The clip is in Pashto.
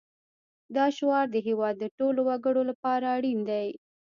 دا شعار د هېواد د ټولو وګړو لپاره اړین دی